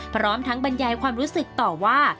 พร้อมทั้งบรรยายความรู้สึกต่อว่า